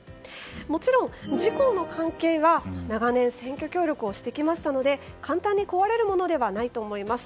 もちろん、自公の関係が長年選挙協力をしてきましたので簡単に壊れるものではないと思います。